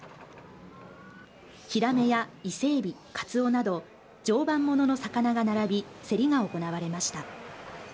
ヒラメやイセエビ、カツオなど常磐ものの魚が並び競りが行われました。